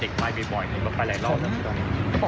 เด็กมายไปบ่อยก็ไปหลายรถ